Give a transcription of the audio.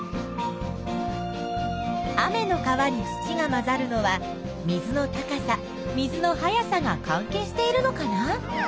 雨の川に土が混ざるのは水の高さ水の速さが関係しているのかな？